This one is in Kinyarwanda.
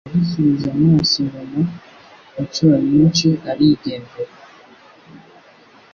Yadusubije amaso inyuma inshuro nyinshi arigendera.